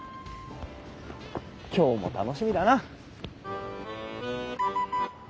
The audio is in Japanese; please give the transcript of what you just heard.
今日も楽しみだな。